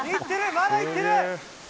まだいってる！